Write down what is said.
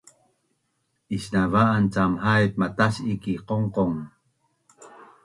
Isnava’an cam haip matas’i ki qongqong